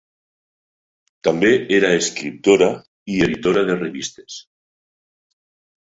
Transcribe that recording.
També era escriptora i editora de revistes.